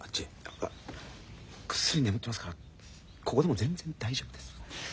ぐっすり眠ってますからここでも全然大丈夫です。